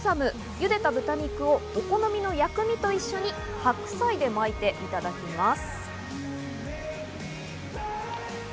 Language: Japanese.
茹でた豚肉をお好みの薬味と一緒に白菜で巻いていただきます。